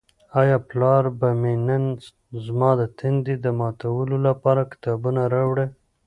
آیا پلار به مې نن زما د تندې د ماتولو لپاره کتابونه راوړي؟